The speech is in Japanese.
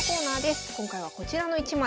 今回はこちらの一枚。